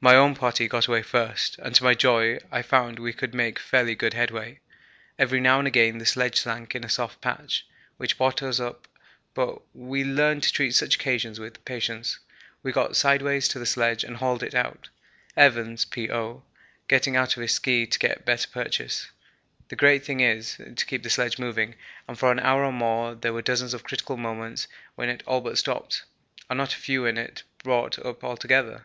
My own party got away first, and, to my joy, I found we could make fairly good headway. Every now and again the sledge sank in a soft patch, which brought us up, but we learned to treat such occasions with patience. We got sideways to the sledge and hauled it out, Evans (P.O.) getting out of his ski to get better purchase. The great thing is to keep the sledge moving, and for an hour or more there were dozens of critical moments when it all but stopped, and not a few in it brought up altogether.